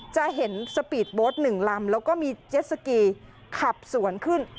จะเห็นสปีดโบสต์๑ลำแล้วก็มีเจ็ดสกีขับสวนขึ้น